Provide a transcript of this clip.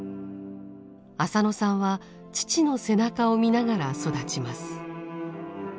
浅野さんは父の背中を見ながら育ちます。